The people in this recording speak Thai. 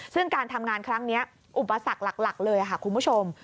ซึ่งการทำงานครั้งนี้อุปสรรคหลักเลยค่ะคุณผู้ชม